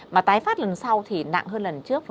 mà tái phát lần sau thì nặng hơn lần trước